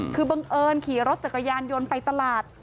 คือบังเอิญขี่รถจักรยานยนต์ไปตลาด